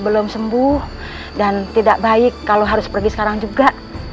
belum sembuh dan tidak baik kalau harus pergi sekarang juga